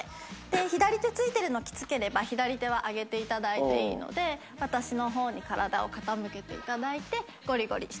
左手ついてるのきつければ左手は上げていただいていいので私の方に体を傾けていただいてゴリゴリしていきます。